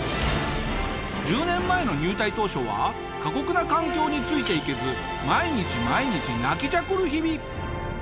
１０年前の入隊当初は過酷な環境についていけず毎日毎日泣きじゃくる日々。